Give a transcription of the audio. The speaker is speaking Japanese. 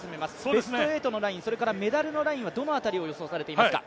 ベスト８のライン、メダルのラインはどの辺りを予想されていますか。